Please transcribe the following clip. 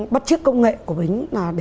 bắt trước công nghệ của mình